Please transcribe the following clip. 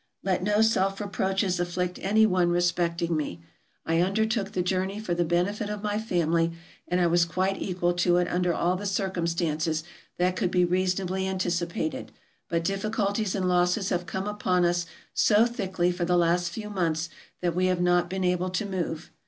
Let no self reproaches afflict any one respecting me. I undertook the journey for the benefit of my family, and I was quite equal to it under all the circumstances that could be reasonably anticipated; but difficulties and losses have come upon us so thickly for the last few months that we have not been able to move.